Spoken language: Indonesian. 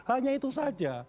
hanya itu saja